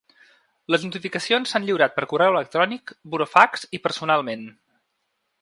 Les notificacions s’han lliurat per correu electrònic, burofax i personalment.